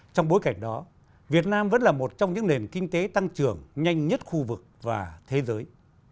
trong bối cảnh đó việt nam vẫn là một trong những nền kinh tế tăng trưởng nhanh nhất khu vực và thế giới